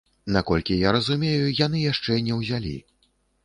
Наколькі я разумею, яны яшчэ не ўзялі.